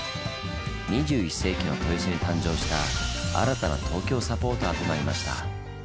２１世紀の豊洲に誕生した新たな東京サポーターとなりました。